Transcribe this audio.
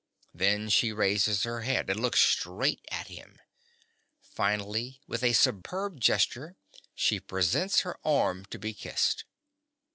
Then she raises her head and looks straight at him. Finally, with a superb gesture she presents her arm to be kissed.